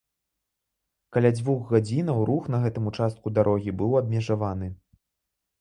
Каля дзвюх гадзінаў рух на гэтым участку дарогі быў абмежаваны.